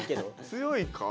強いか？